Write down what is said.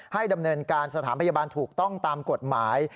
ดำเนินการสถานพยาบาลถูกต้องตามกฎหมาย